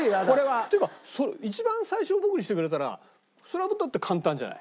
っていうか一番最初僕にしてくれたらそれはもうだって簡単じゃない。